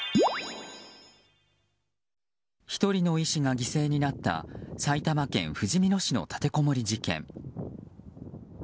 １人の医師が犠牲になった埼玉県ふじみ野市の立てこもり事件。